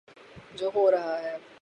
جو ہو رہا ہے۔